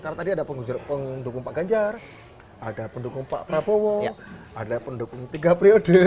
karena tadi ada pendukung pak ganjar ada pendukung pak prabowo ada pendukung tiga priode